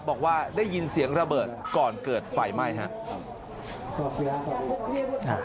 บอกว่าได้ยินเสียงระเบิดก่อนเกิดไฟไหม้ครับ